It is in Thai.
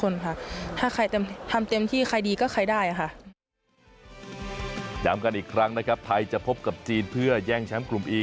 ย้ำกันอีกครั้งนะครับไทยจะพบกับจีนเพื่อแย่งแชมป์กลุ่มอี